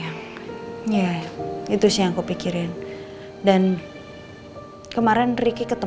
mama gak mau itu terjadi ma